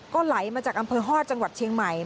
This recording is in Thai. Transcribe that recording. ก็ไหลมาจากอำเภอฮอตจังหวัดเชียงใหม่